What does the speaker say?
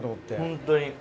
ホントに。